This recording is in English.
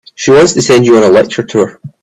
She wants to send you on a lecture tour.